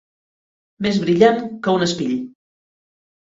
Més brillant que un espill.